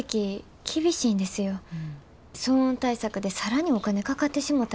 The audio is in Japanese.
騒音対策で更にお金かかってしもたら。